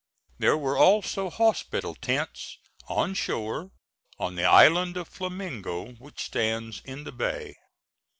There were also hospital tents on shore on the island of Flamingo, which stands in the bay.